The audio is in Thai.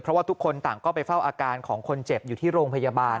เพราะว่าทุกคนต่างก็ไปเฝ้าอาการของคนเจ็บอยู่ที่โรงพยาบาล